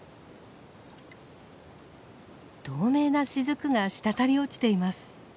透明な滴が滴り落ちています。